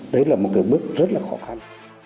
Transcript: đấy là một cái bước rất là khó khăn